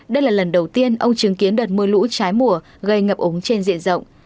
đây là lần đầu tiên ông chứng kiến đợt mưa lũ trái mùa gây ngập ống trên diện rộng